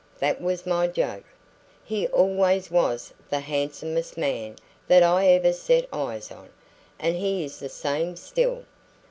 That was my joke. He always was the handsomest man that I ever set eyes on, and he is the same still.